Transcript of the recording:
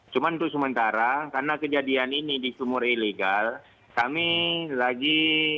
cuma untuk sementara karena kejadian ini di sumur ilegal kami lagi